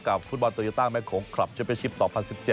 กับฟุตบอลตัวอย่างตั้งแม่ของคลับเฉพาะชิป๒๐๑๗